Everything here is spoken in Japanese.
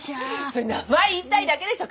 それ名前言いたいだけでしょ！